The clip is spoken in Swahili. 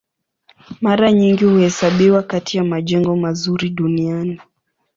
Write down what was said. Mara nyingi huhesabiwa kati ya majengo mazuri duniani.